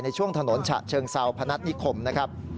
ในช่วงถนนฉะเชิงเซาพนัฐนิคมนะครับ